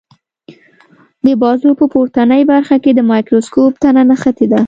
د بازو په پورتنۍ برخه کې د مایکروسکوپ تنه نښتې ده.